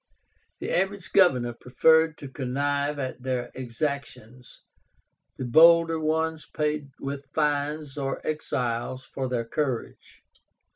The average governor preferred to connive at their exactions; the bolder ones paid with fines or exiles for their courage.